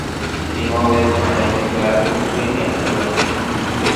Kingowek kwandanyu gaa ko kiomi asomani